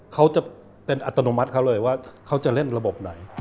เขาจะเป็นอัตโนมัติเขาเลยว่าเขาจะเล่นระบบไหน